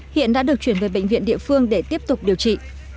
hiện đã được chuyển về bệnh viện địa phương để tiếp tục điều trị